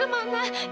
kak fadil mana